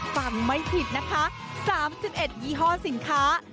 ฟังไม่ผิดนะคะ๓๑ยี่ห้อสินค้า